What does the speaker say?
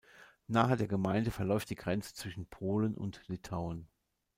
Nahe der Gemeinde verläuft die Grenze zwischen Polen und Litauen.